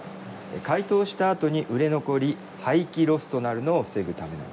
解凍したあとに売れ残り廃棄ロスとなるのを防ぐためなんです。